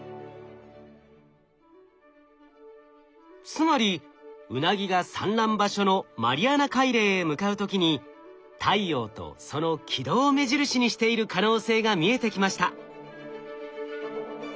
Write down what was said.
つまりウナギが産卵場所のマリアナ海嶺へ向かう時に太陽とその軌道を目印にしている可能性が見えてきました。